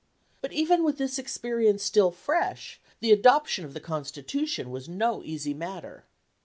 But even with this experience still fresh, the adoption of the Constitution was no easy matter.